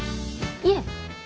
いえ。